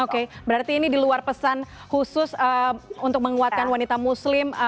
oke berarti ini diluar pesan khusus untuk menguatkan wanita muslim